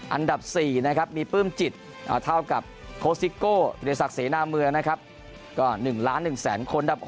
อันดับ๔นะครับมีปลื้มจิตเท่ากับโค้ซิโก้วิทยาศักดิ์เสนาเมืองนะครับก็๑ล้าน๑แสนคน